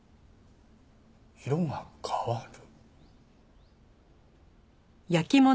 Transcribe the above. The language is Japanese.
色が変わる？